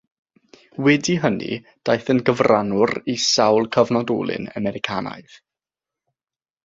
Wedi hynny daeth yn gyfrannwr i sawl cyfnodolyn Americanaidd.